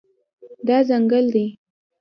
دا ځنګل دی